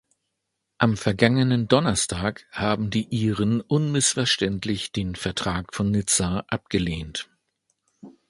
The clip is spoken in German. Am vergangenen Donnerstag haben die Iren unmissverständlich den Vertrag von Nizza abgelehnt.